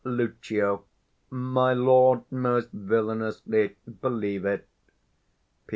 Lucio. My lord, most villanously; believe it. _Fri.